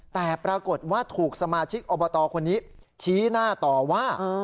แต่ปรากฏว่าถูกสมาชิกอบตคนนี้ชี้หน้าต่อว่า